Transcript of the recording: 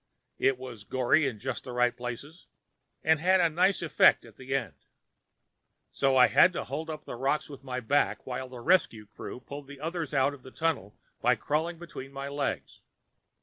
It was gory in just the right places, with a nice effect at the end. "—so I had to hold up the rocks with my back while the rescue crew pulled the others out of the tunnel by crawling between my legs.